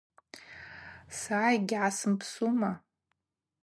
Са йгьгӏасымпсума.